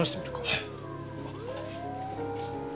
はい。